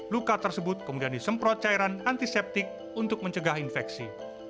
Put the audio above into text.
luka tersebut kemudian disemprot cairan antiseptik untuk mencegah infeksi